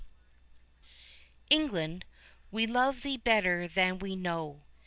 GIBRALTAR England, we love thee better than we know.